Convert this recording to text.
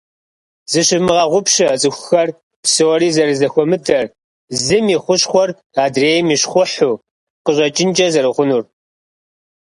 Зыщывмыгъэгъупщэ цӏыхухэр псори зэрызэхуэмыдэр, зым и хущхъуэр адрейм и щхъухьу къыщӏэкӏынкӏэ зэрыхъунур.